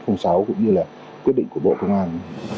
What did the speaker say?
cũng như là quyết định của bộ thông an